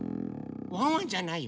ワンワンじゃないよ。